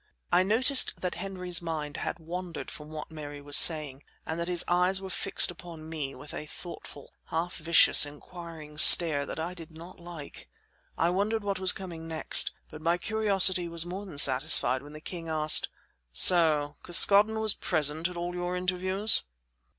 I noticed that Henry's mind had wandered from what Mary was saying, and that his eyes were fixed upon me with a thoughtful, half vicious, inquiring stare that I did not like. I wondered what was coming next, but my curiosity was more than satisfied when the king asked: "So Caskoden was present at all your interviews?"